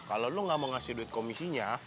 kalau lo gak mau ngasih duit komisinya